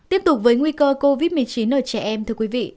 tiếp tục với nguy cơ covid một mươi chín ở trẻ em thưa quý vị